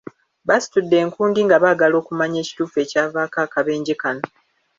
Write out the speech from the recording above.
Basitudde enkundi nga baagala okumanya ekituufu ekyavaako akabenje kano.